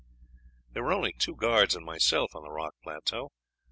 "There were only two guards and myself on the rock plateau.